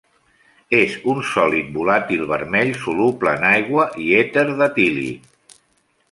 És un sòlid volàtil vermell soluble en aigua i èter d'etílic.